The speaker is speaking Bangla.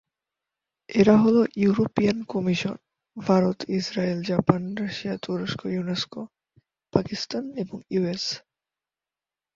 এরা হলো European commission, Bharat, Israel, Japan, Russia, তুরস্ক, ইউনেস্কো, পাকিস্তান এবং ইউএসএ।